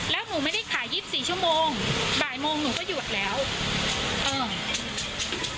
แล้วหนูไม่ได้ขายยี่สิบสี่ชั่วโมงบ่ายโมงหนูก็หยุดแล้วเออ